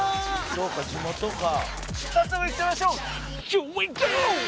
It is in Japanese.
「そうか地元か」